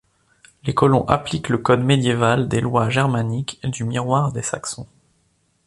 Les colons appliquent le code médiéval des lois germaniques du Miroir des Saxons.